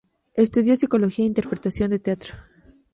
Estudió psicología e interpretación de teatro.